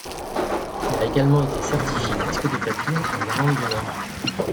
Il a également été certifié disque de platine en Irlande du Nord.